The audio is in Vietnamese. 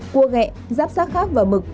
cua ghẹ giáp sát khác và mực